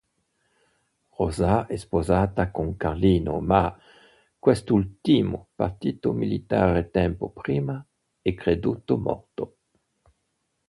Rosa è sposata con Carlino, ma quest'ultimo, partito militare tempo prima, è creduto morto.